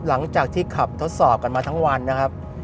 หลังจากที่ขับทดสอบกันมาทั้งวันนะครับ